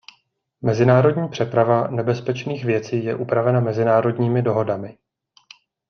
Mezinárodní přeprava nebezpečných věcí je upravena mezinárodními dohodami.